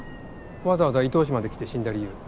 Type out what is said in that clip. わざわざ伊東市まで来て死んだ理由。